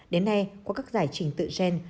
đến nay qua các giải trình tự gen